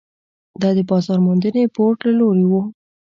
دا د بازار موندنې بورډ له لوري وو.